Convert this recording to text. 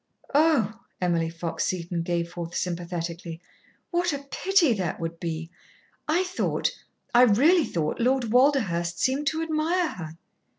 "Oh!" Emily Fox Seton gave forth sympathetically. "What a pity that would be! I thought I really thought Lord Walderhurst seemed to admire her."